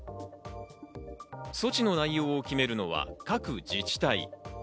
措置の内容を決めるのは各自治体。